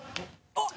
あっ！